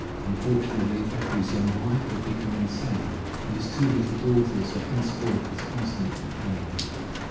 Unfortun ately Thackeray's young wife had become insane and his two little daughters were henceforth his constant companions.